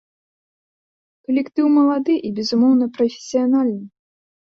Калектыў малады і, безумоўна, прафесіянальны.